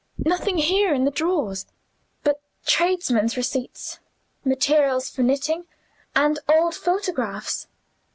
Nothing here, in the drawers, but tradesmen's receipts, materials for knitting, and old photographs.